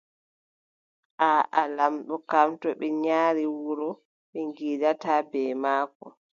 Aaʼa., Lamɗo kam, too ɓe nyari wuro, ɓe ngiidaata bee maako.